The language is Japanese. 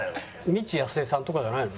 未知やすえさんとかじゃないの？